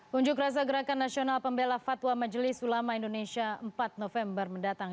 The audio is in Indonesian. unjuk rasa gerakan nasional pembela fatwa majelis ulama indonesia empat november mendatang